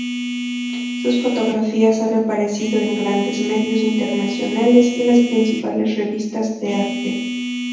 Sus fotografías han aparecido en grandes medios internacionales y las principales revistas de arte.